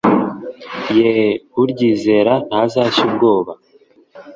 Ye uryizera ntazashya ubwoba